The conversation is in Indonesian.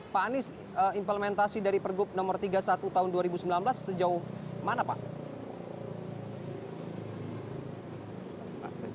pak anies implementasi dari pergub nomor tiga puluh satu tahun dua ribu sembilan belas sejauh mana pak